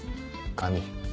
紙。